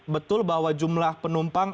betul bahwa jumlah penumpang